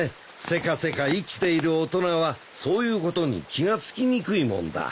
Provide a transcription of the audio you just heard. せかせか生きている大人はそういうことに気が付きにくいもんだ。